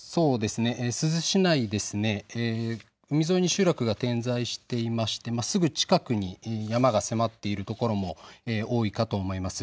珠洲市内、海沿いに集落が点在していましてすぐ近くに山が迫っている所も多いかと思います。